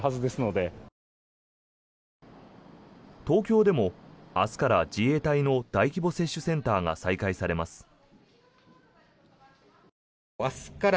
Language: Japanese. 東京でも明日から自衛隊の大規模接種センターが再開されます。